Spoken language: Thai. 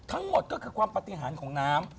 ทั้งหมดก็คือความปฏิหารของน้ำ